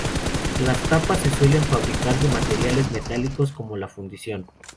Las tapas se suelen fabricar de materiales metálicos como la fundición.